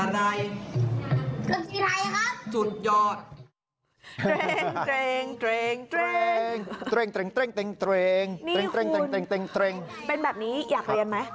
นี่คุณเป็นแบบนี้อยากเรียนไหม